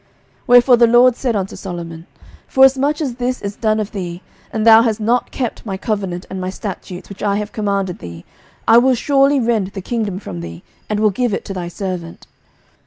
11:011:011 Wherefore the LORD said unto Solomon, Forasmuch as this is done of thee, and thou hast not kept my covenant and my statutes, which I have commanded thee, I will surely rend the kingdom from thee, and will give it to thy servant.